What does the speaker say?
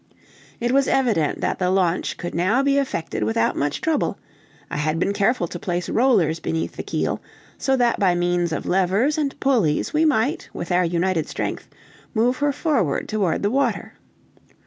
It was evident that the launch could now be effected without much trouble; I had been careful to place rollers beneath the keel, so that by means of levers and pulleys we might, with our united strength, move her forward toward the water.